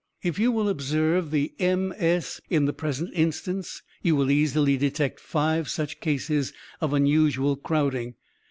If you will observe the MS., in the present instance, you will easily detect five such cases of unusual crowding.